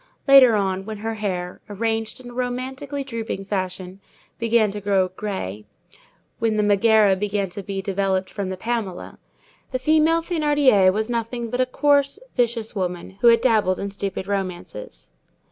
Later on, when her hair, arranged in a romantically drooping fashion, began to grow gray, when the Megæra began to be developed from the Pamela, the female Thénardier was nothing but a coarse, vicious woman, who had dabbled in stupid romances.